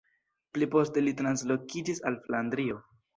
Pli poste li translokiĝis al Flandrio.